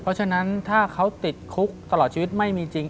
เพราะฉะนั้นถ้าเขาติดคุกตลอดชีวิตไม่มีจริง